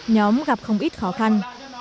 nhóm gặp không ít khó khăn